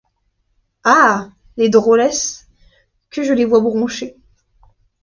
Ah! les drôlesses ! que je les voie broncher !